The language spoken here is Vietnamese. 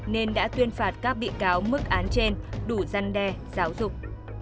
nên đã tuyên phạt các bị cáo mức án trên đủ gian đe giáo dục